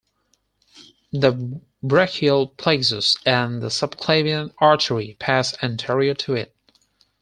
The brachial plexus and the subclavian artery pass anterior to it.